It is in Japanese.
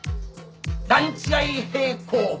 段違い平行棒？